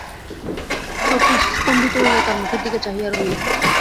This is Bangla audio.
শচীশ স্তম্ভিত হইয়া তার মুখের দিকে চাহিয়া রহিল।